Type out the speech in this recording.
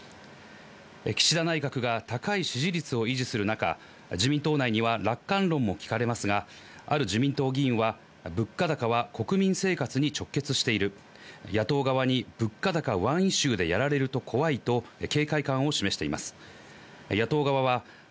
岸田内閣が高い支持率を維持する中、自民党内には楽観論も聞かれますが、ある自民党議員は物価高が国民生活に直結している、野党側に物価高ワンイシューでやられると怖いと警戒感を示しています。